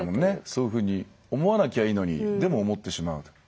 そういうふうに思わなきゃいいのにでも思ってしまう。